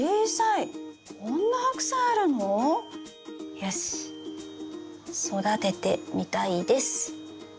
よし「育ててみたいです」。